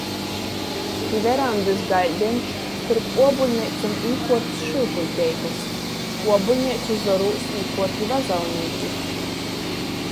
Pi verandys gaļdeņš, storp uobeļneicom īkuorts šyupuļteikls. Uobeļneicu zorūs īkuorti vazaunīki.